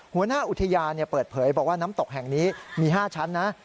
หัวหน้าอุทยานเปิดเผยบอกว่าน้ำตกแห่งนี้มี๕ชั้นนะ